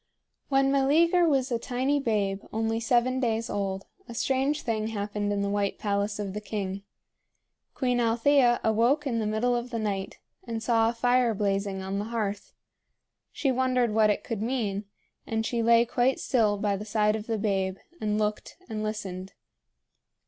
When Meleager was a tiny babe only seven days old, a strange thing happened in the white palace of the king. Queen Althea awoke in the middle of the night, and saw a fire blazing on the hearth. She wondered what it could mean; and she lay quite still by the side of the babe, and looked and listened.